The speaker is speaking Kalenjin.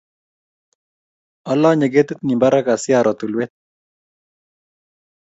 Alanye ketit nin parak asiaro tulwet